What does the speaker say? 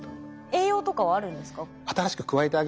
栄養とかはあるんですか？